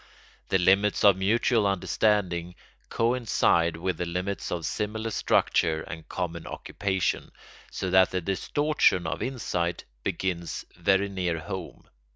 The limits of mutual understanding coincide with the limits of similar structure and common occupation, so that the distortion of insight begins very near home.